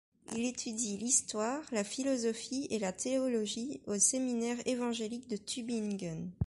Il étudie l'histoire, la philosophie et la théologie au séminaire évangélique de Tübingen.